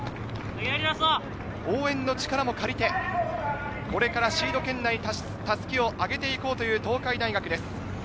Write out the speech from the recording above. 応援の力も借りて、これからシード圏内、襷を上げて行こうという東海大学です。